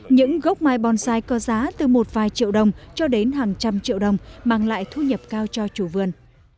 những gốc mai bonsai có giá từ một vài triệu đồng cho đến hàng trăm triệu đồng mang lại thu nhập cao cho chủ vườn